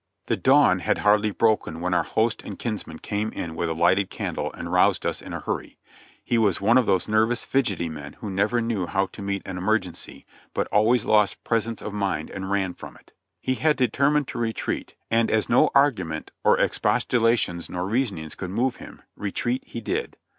The dawn had hardly broken when our host and kinsman came in with a lighted candle and roused us in a hurry. He was one of those nervous, fidgety men who never knew how to meet an emer gency, but always lost presence of mind and ran from it. He had determined to retreat, and as no argument or expostu lations nor reasonings could move him, retreat he did.